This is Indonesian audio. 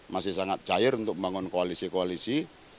masih sangat cair untuk membangun koalisi koalisi